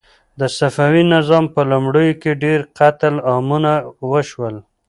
د صفوي نظام په لومړیو کې ډېر قتل عامونه وشول.